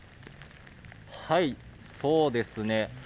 はい、そうですね。